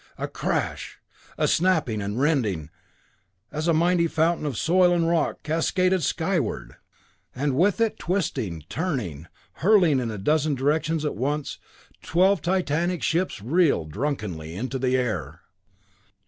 A crash, a snapping and rending as a mighty fountain of soil and rock cascaded skyward, and with it, twisting, turning, hurled in a dozen directions at once, twelve titanic ships reeled drunkenly into the air!